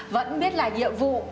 vẫn biết là nhiệm vụ